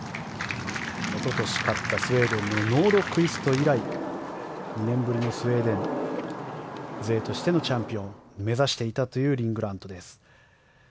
おととし勝ったスウェーデンのノードクイスト以来２年ぶりのスウェーデン勢としてのチャンピオンを目指していたというリン・グラントです。